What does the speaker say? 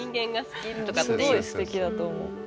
すごいすてきだと思う。